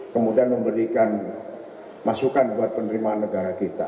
kemudian memberikan masukan buat penerimaan negara kita